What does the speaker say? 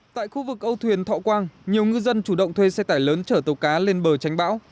tại khu vực âu thuyền thọ quang nhiều ngư dân chủ động thuê xe tải lớn chở tàu cá lên bờ tránh bão